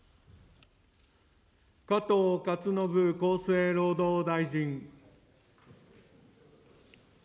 加藤勝信厚生労働大臣。